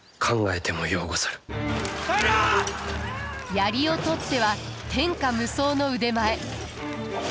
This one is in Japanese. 槍をとっては天下無双の腕前。